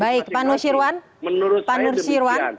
baik pak nusirwan pak nursirwan